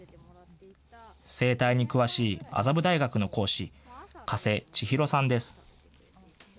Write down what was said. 生態に詳しい麻布大学の講師、加瀬ちひろさんです。